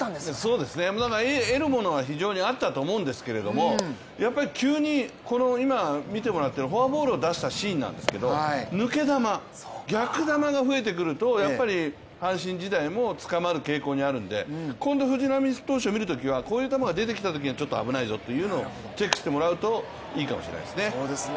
そうですね、得るものは非常にあったと思うんですけどやっぱり急にこのフォアボールを出したシーンなんですけれども、抜け球、逆球が増えてくるとやっぱり捕まる傾向にあるので今度、藤浪投手を見るときはこういう球が出てきたらちょっと危ないぞというのをチェックしてもらうといいかもしれませんね。